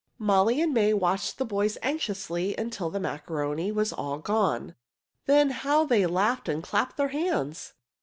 Molly and May watched the boys anxiously until the macaroni was all gone. Then how they laughed and clapped their hands!